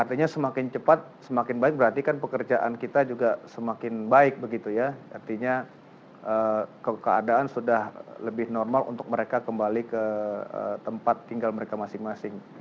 artinya semakin cepat semakin baik berarti kan pekerjaan kita juga semakin baik begitu ya artinya keadaan sudah lebih normal untuk mereka kembali ke tempat tinggal mereka masing masing